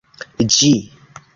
ĝi